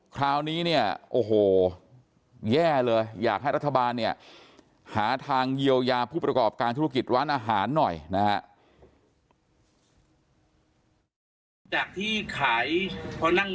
คราวนี้เนี่ยโอ้โหแย่เลยอยากให้รัฐบาลเนี่ยหาทางเยียวยาผู้ประกอบการธุรกิจร้านอาหารหน่อยนะฮะ